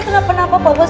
kenapa kenapa pak bos